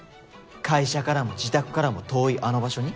会社からも自宅からも遠いあの場所に？